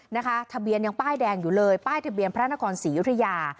นะคะทะเบียนยังป้ายแดงอยู่เลยป้ายทะเบียนพระนครศรีอยุธยา